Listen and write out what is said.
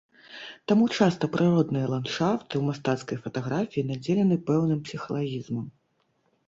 Таму часта прыродныя ландшафты ў мастацкай фатаграфіі надзелены пэўным псіхалагізмам.